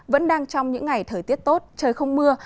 vẫn đang trong những ngày thời tiết tốt trời không mưa